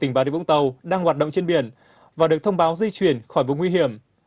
tỉnh bà rịa vũng tàu đang hoạt động trên biển và được thông báo di chuyển khỏi vùng nguy hiểm